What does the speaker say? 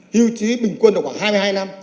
hưu trí bình quân được khoảng hai mươi hai năm